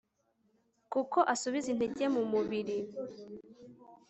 kuko asubiza intege mu mubiri